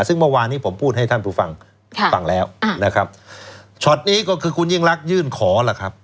ซึ่งเมื่อวานนี้ผมพูดให้ท่านผู้ฟังฟังแล้วนะครับช็อตนี้ก็คือคุณยิ่งรักยื่นขอล่ะครับ